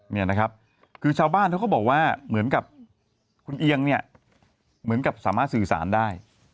นี่นะครับคือชาวบ้านเขาก็บอกว่าเหมือนกับคุณเอียงเนี่ยเหมือนกับสามารถสื่อสารได้